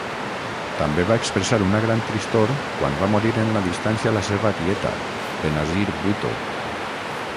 També va expressar una gran tristor quan va morir en la distància la seva tieta, Benazir Bhutto.